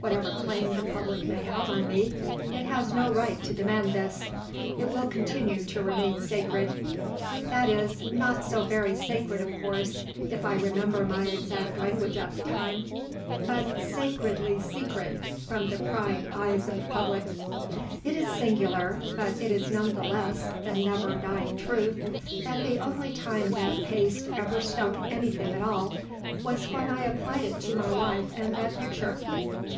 Whatever claim the public may have on me, it has no right to demand this. It will continue to remain sacred. That is, not so very sacred of course, if I remember my exact language at the time, but sacredly secret from the prying eyes of the public. It is singular, but it is none the less the never dying truth, that the only time that paste ever stuck anything at all, was when I applied it to my wife and that picture.